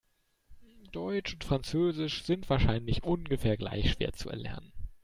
Deutsch und Französisch sind wahrscheinlich ungefähr gleich schwer zu erlernen.